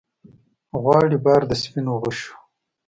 غواړي بار د سپینو غشو